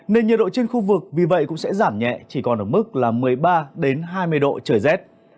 nên nhiệt độ trên khu vực vì vậy cũng sẽ giảm nhẹ chỉ còn ở mức là một mươi ba hai mươi độ trời rét